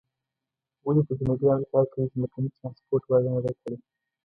ولې په جنوبي امریکا کې ځمکني ترانسپورت وده نه ده کړې؟